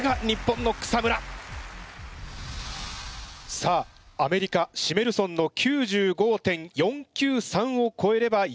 さあアメリカシメルソンの９５．４９３をこえれば優勝。